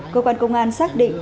cơ quan công an xác định